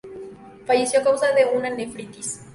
Falleció a causa de una nefritis.